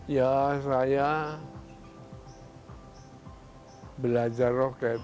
ya saya belajar roket